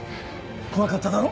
怖かっただろ